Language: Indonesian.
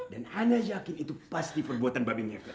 dan ana yakin itu pasti perbuatan babi ngefek